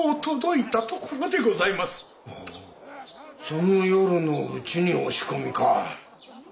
その夜のうちに押し込みか。